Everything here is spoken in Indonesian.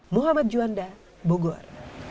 muhammad juanda bogor